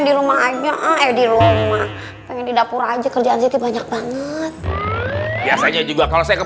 di rumah pengen di dapur aja kerjaan siti banyak banget biasanya juga kalau saya ke